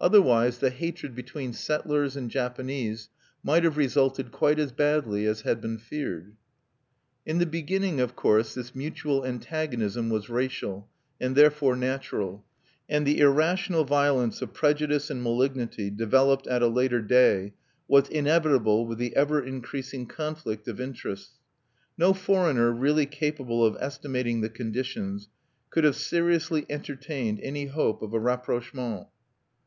Otherwise the hatred between settlers and Japanese might have resulted quite as badly as had been feared. In the beginning, of course, this mutual antagonism was racial, and therefore natural; and the irrational violence of prejudice and malignity developed at a later day was inevitable with the ever increasing conflict of interests. No foreigner really capable of estimating the conditions could have seriously entertained any hope of a rapprochement.